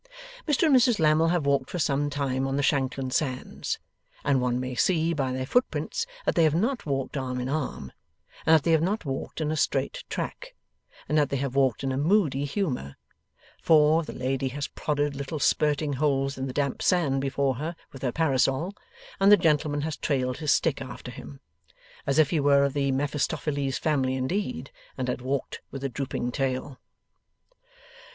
Mr and Mrs Lammle have walked for some time on the Shanklin sands, and one may see by their footprints that they have not walked arm in arm, and that they have not walked in a straight track, and that they have walked in a moody humour; for, the lady has prodded little spirting holes in the damp sand before her with her parasol, and the gentleman has trailed his stick after him. As if he were of the Mephistopheles family indeed, and had walked with a drooping tail.